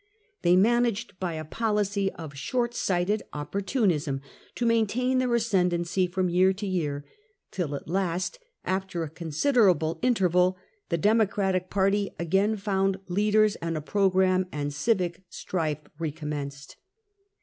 They managed, by a policy of short sighted opportunism, to maintain their ascendency from year to year, till at last, after a con siderable interval, the Democratic party again found leaders and a programme, and civic strife recommenced.